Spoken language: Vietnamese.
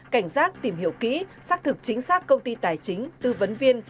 cảnh giác tìm hiểu kỹ xác thực chính xác công ty tài chính tư vấn viên